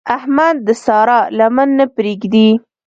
احمد د سارا لمن نه پرېږدي.